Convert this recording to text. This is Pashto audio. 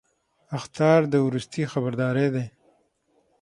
اخطار د وروستي خبرداری دی